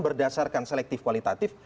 berdasarkan selektif kualitatif